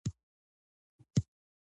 عمومي کتابونه وروسته مطالعه کړئ.